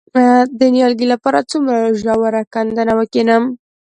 د نیالګي لپاره څومره ژوره کنده وکینم؟